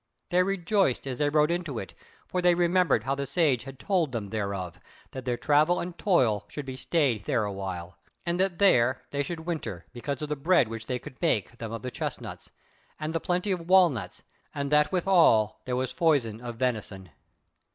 They rejoiced as they rode into it; for they remembered how the Sage had told them thereof, that their travel and toil should be stayed there awhile, and that there they should winter, because of the bread which they could make them of the chestnuts, and the plenty of walnuts, and that withal there was foison of venison.